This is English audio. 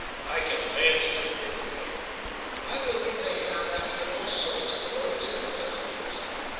"I can fancy the dreary thing!" "I believe they found out he had all sorts of worries and difficulties."